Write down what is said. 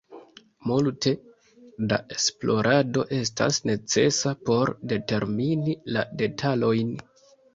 Multe da esplorado estas necesa por determini la detalojn.